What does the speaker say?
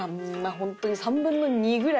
ホントに。